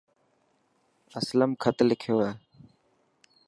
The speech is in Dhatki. اسلم خطلکيو هي.